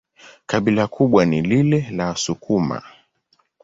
Kabila kubwa ni lile la Wasukuma.